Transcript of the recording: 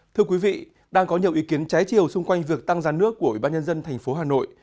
thưa quý vị đang có nhiều ý kiến trái chiều xung quanh việc tăng giá nước của ủy ban nhân dân tp hà nội